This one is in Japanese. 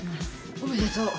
おめでとう。